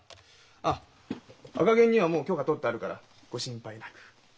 あっ赤ゲンにはもう許可取ってあるからご心配なく。